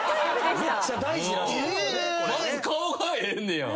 まず顔がええねや。